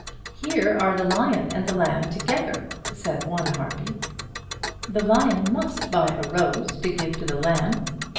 "Here are the lion and the lamb together," said one harpy. "The lion must buy a rose to give to the lamb.